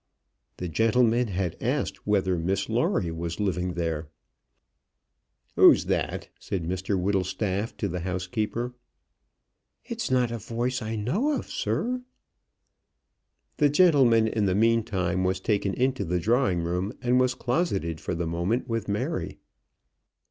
The gentleman had asked whether Miss Lawrie was living there. "Who's that?" said Mr Whittlestaff to the housekeeper. "It's not a voice as I know, sir." The gentleman in the meantime was taken into the drawing room, and was closeted for the moment with Mary.